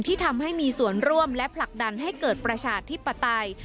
ที่ทำให้มีส่วนร่วมและผลักดันให้เกิดประชาธิปไตย